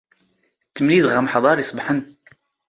ⵜⵜⵎⵏⵉⴷⵖ ⴰⵎⵃⴹⴰⵕ ⵉⵚⴱⵃⵏ.